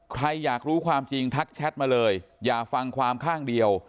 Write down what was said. ใครอยากรู้ความจริงทักแชทมาเลยอย่าฟังความข้างเดียว